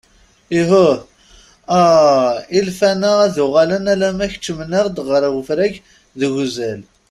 Ihuh ah! ilfan-a ad uɣalen alma keččmen-aɣ-d ɣer ufrag deg uzal.